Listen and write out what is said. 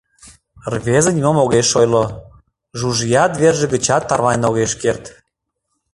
Рвезе нимом огеш ойло, Жужиат верже гычат тарванен огеш керт.